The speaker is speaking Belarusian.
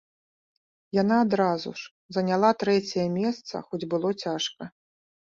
Яна адразу ж заняла трэцяе месца, хоць было цяжка.